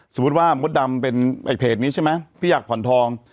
สมมุติว่ามดดำเป็นไอ้เพจนี้ใช่ไหมพี่อยากผ่อนทอง